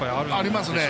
ありますね。